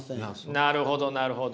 なるほどなるほど。